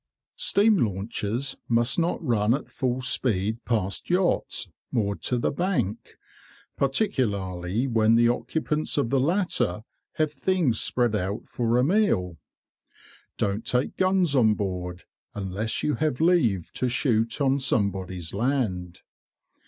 Steam launches must not run at full speed past yachts moored to the bank, particularly when the occupants of the latter have things spread out for a meal. Don't take guns on board unless you have leave to shoot on somebody's land.